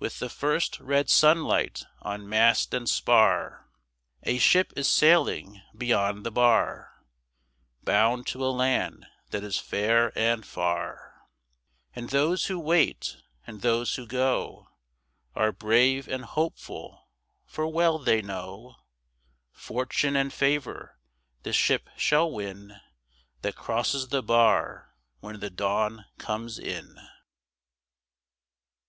With the first red sunlight on mast and spar A ship is sailing beyond the bar, Bound to a land that is fair and far; And those who wait and those who go Are brave and hopeful, for well they know Fortune and favor the ship shall win That crosses the bar when the dawn comes in.